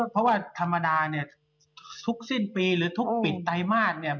เพราะว่าธรรมดาเนี่ยทุกสิ้นปีหรือทุกปิดไตรมาสเนี่ย